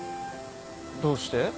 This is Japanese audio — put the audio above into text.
どうして？